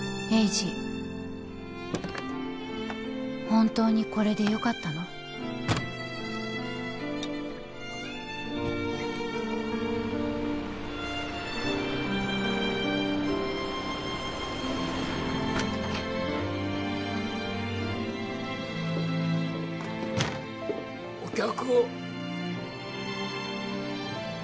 本当にこれでよかったの？お客。